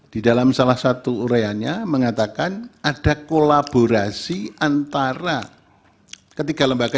di dalam salah satu ureanya mengatakan ada kolaborasi antara ketiga lembaga